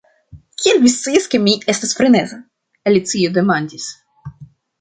"Kiel vi scias ke mi estas freneza?" Alicio demandis.